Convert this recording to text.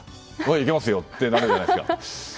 行けますよ！となるじゃないですか。